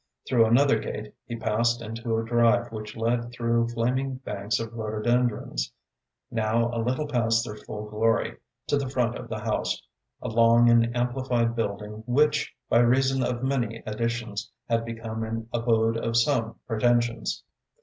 Through another gate he passed into a drive which led through flaming banks of rhododendrons, now a little past their full glory, to the front of the house, a long and amplified building which, by reason of many additions, had become an abode of some pretensions.